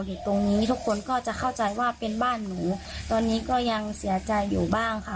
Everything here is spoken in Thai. อยู่ตรงนี้ทุกคนก็จะเข้าใจว่าเป็นบ้านหนูตอนนี้ก็ยังเสียใจอยู่บ้างค่ะ